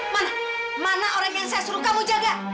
mana orang yang saya suruh kamu jaga